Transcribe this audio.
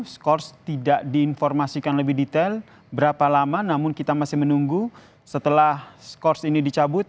skors tidak diinformasikan lebih detail berapa lama namun kita masih menunggu setelah skors ini dicabut